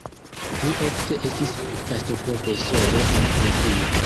Li ofte estis gastoprofesoro en Francio.